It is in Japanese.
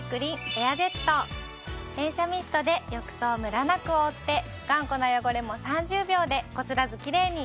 連射ミストで浴槽をムラなく覆って頑固な汚れも３０秒でこすらずキレイに。